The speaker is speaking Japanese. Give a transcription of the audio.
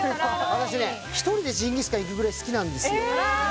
私ね１人でジンギスカン行くぐらい好きなんですよえっ！